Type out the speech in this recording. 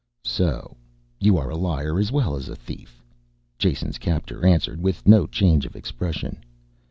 "So you are a liar as well as a thief," Jason's captor answered with no change of expression.